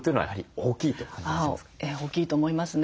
大きいと思いますね。